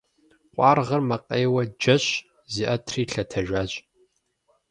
Къуаргъыр макъейуэ джэщ, зиӀэтри лъэтэжащ.